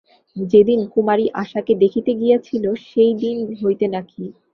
যেদিন কুমারী আশাকে দেখিতে গিয়াছিল, সেই দিন হইতে নাকি।